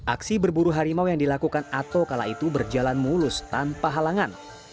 aksi berburu harimau yang dilakukan ato kala itu berjalan mulus tanpa halangan